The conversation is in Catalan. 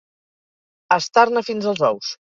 Estar-ne fins als ous.